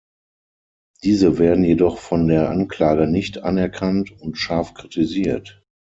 Diese werden jedoch von der Anklage nicht anerkannt und scharf kritisiert.